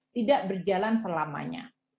tidak berjalan selamanya